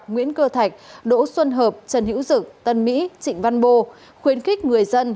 nguyễn cơ thạch đỗ xuân hợp trần hữu dự tân mỹ trịnh văn bồ khuyến khích người dân